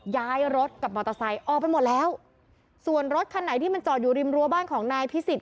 ย้ายรถกับมอเตอร์ไซค์ออกไปหมดแล้วส่วนรถคันไหนที่มันจอดอยู่ริมรัวบ้านของนายพิสิทธ